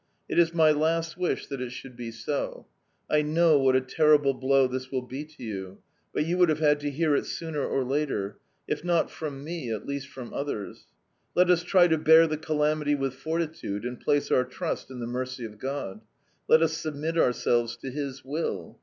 It is my last wish that it should be so. I know what a terrible blow this will be to you, but you would have had to hear it sooner or later if not from me, at least from others. Let us try to, bear the Calamity with fortitude, and place our trust in the mercy of God. Let us submit ourselves to His will.